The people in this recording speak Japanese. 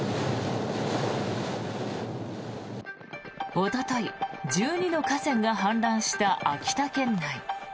おととい、１２の河川が氾濫した秋田県内。